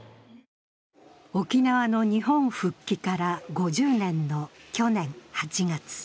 沖縄の日本復帰から５０年の去年８月。